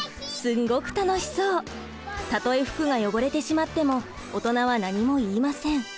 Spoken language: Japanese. たとえ服が汚れてしまっても大人は何も言いません。